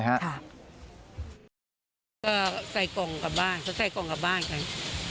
แล้วก็ใส่กล่องกลับบ้านเขาใส่กล่องกลับบ้านกัน